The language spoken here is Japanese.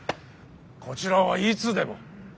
こちらはいつでも。